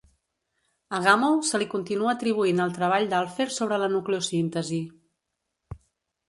A Gamow se li continua atribuint el treball d'Alpher sobre la nucleosíntesi.